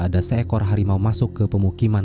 ada seekor harimau masuk ke pemukiman